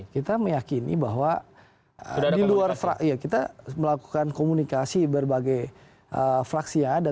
kita meyakini bahwa kita melakukan komunikasi berbagai fraksi ya